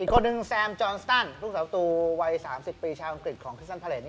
อีกคนหนึ่งแซมจอร์นสตันภุ่งสาวประตูวัย๓๐ปีชาวอังกฤษของคริสตันภาเรน